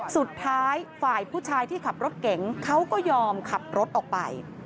สุดท้ายฝ่ายผู้ชายที่ขับรถเก๋งเขาก็ยอมขับรถออกไป